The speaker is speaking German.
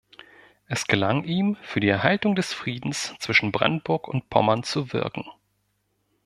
Es gelang ihm, für die Erhaltung des Friedens zwischen Brandenburg und Pommern zu wirken.